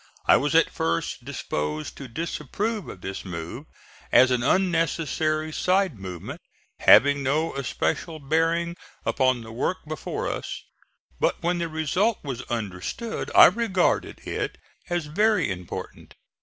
I was at first disposed to disapprove of this move as an unnecessary side movement having no especial bearing upon the work before us; but when the result was understood I regarded it as very important.